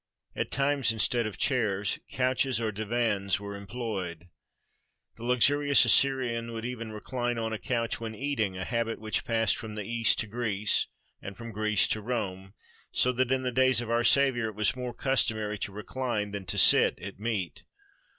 At times, instead of chairs, couches or divans were employed. The luxurious Assyrian would even recline on a couch when eating, a habit which passed from the East to Greece, and from Greece to Rome, so that in the days of our Saviour it was more customary to "recline" than to sit at meat.